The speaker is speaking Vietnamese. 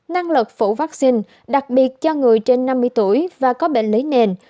năng lực phủ vaccine đặc biệt cho người trên năm mươi tuổi và có bệnh lấy nền